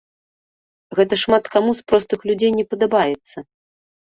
Гэта шмат каму з простых людзей не падабаецца.